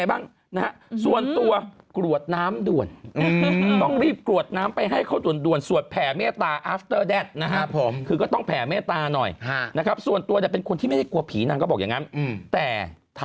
อ้าวนะครับไม่มีใครเดินเลย